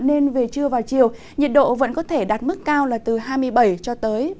nên về trưa và chiều nhiệt độ vẫn có thể đạt mức cao là từ hai mươi bảy ba mươi độ